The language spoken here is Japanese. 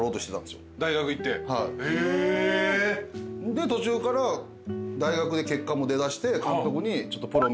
で途中から大学で結果も出だして監督に。